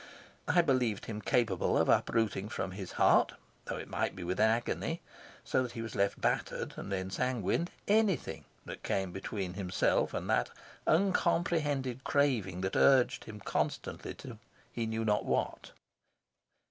I believed him capable of uprooting from his heart, though it might be with agony, so that he was left battered and ensanguined, anything that came between himself and that uncomprehended craving that urged him constantly to he knew not what.